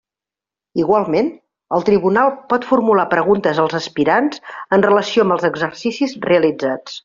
Igualment, el Tribunal pot formular preguntes als aspirants en relació amb els exercicis realitzats.